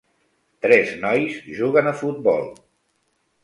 Tres nois juguen a futbol.